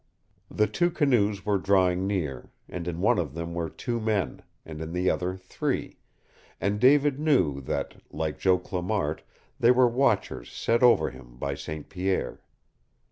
The two canoes were drawing near, and in one of them were two men, and in the other three, and David knew that like Joe Clamart they were watchers set over him by St. Pierre.